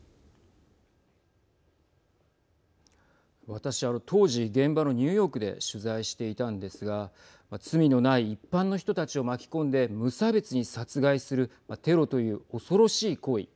私、当時現場のニューヨークで取材していたんですが罪のない一般の人たちを巻き込んで無差別に殺害するテロという恐ろしい行為。